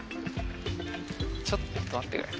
ちょっと待ってくれ。